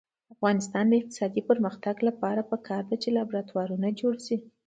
د افغانستان د اقتصادي پرمختګ لپاره پکار ده چې لابراتوارونه جوړ شي.